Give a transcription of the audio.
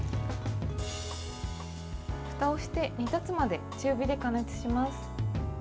ふたをして、煮立つまで中火で加熱します。